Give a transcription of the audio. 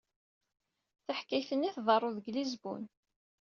Taḥkayt-nni tḍerru deg Lisbun.